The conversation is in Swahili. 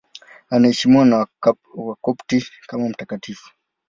Anaheshimiwa na Wakopti kama mtakatifu.